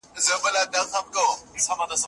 که انلاین ښوونځی وي نو پرمختګ نه دریږي.